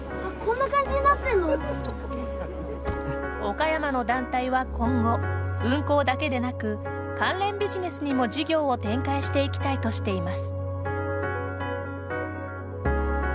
岡山の団体は今後運航だけでなく関連ビジネスにも事業を展開していきたいとしています。